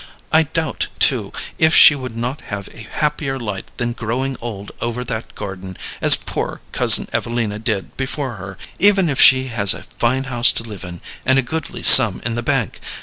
I doubt, too, if she would not have a happier lot than growing old over that garden, as poor Cousin Evelina did before her, even if she has a fine house to live in and a goodly sum in the bank.